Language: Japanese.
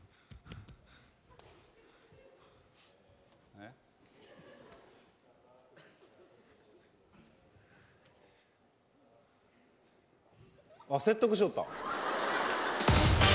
あっ説得しよった。